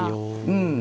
うん。